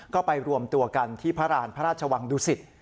ก็ไปรวมตัวกันที่พระราณพระราชวังดุสิต